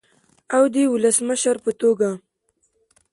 او د ولسمشر په توګه